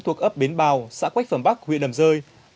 thuộc ấp bến bào xã quách phẩm bắc huyện đầm rơi